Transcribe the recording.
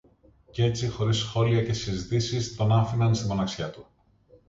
Κι έτσι χωρίς σχόλια και συζητήσεις, τον άφηναν στη μοναξιά του